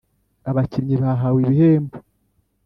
Abakinnyi bahawe ibihembo.